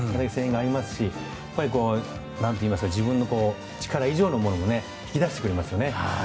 声援がありますし自分の力以上のものも引き出してくれますよね。